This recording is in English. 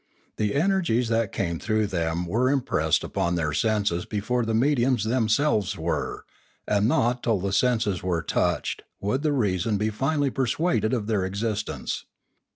The energies that came through them were impressed upon their senses before the mediums themselves were; and not till the senses were touched would the reason be finally persuaded of their existence.